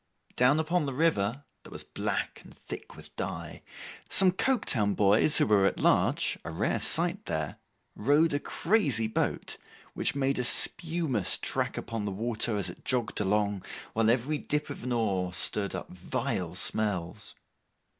Down upon the river that was black and thick with dye, some Coketown boys who were at large—a rare sight there—rowed a crazy boat, which made a spumous track upon the water as it jogged along, while every dip of an oar stirred up vile smells.